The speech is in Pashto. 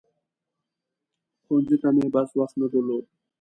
ښوونځي ته مو بس وخت نه درلود.